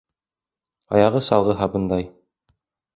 Аяғы салғы һабындай